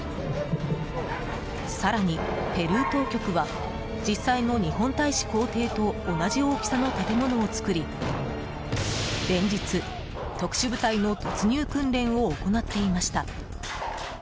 更に、ペルー当局は実際の日本大使公邸と同じ大きさの建物を作り連日、特殊部隊の突入訓練を行っていました。